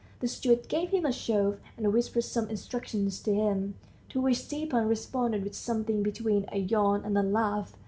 The steward gave him a shove, and whispered some instructions to him, to which Stepan responded with something between a yawn and a laugh.